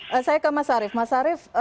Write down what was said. oke saya ke mas arief mas arief